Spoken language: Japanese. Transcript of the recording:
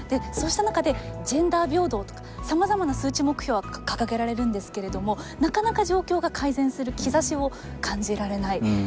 そうした中でジェンダー平等とかさまざまな数値目標は掲げられるんですけれどもなかなか状況が改善する兆しを感じられない。